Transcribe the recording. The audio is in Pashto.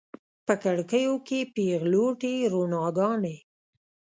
په کړکیو کې پیغلوټې روڼاګانې